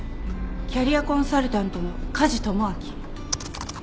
キャリアコンサルタントの梶智明。